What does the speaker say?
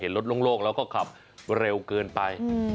ให้เห็นรถโล่งแล้วก็ขับเร็วเกินไป